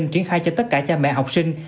triển khai cho tất cả cha mẹ học sinh